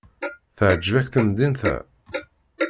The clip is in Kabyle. Teɛjeb-ak temdint-a?